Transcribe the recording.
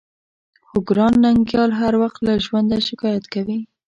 خو ګران ننګيال هر وخت له ژونده شکايت کوي.